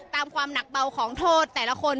ความหนักเบาของโทษแต่ละคน